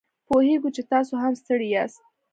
پوهیږو چې تاسو هم ستړي یاست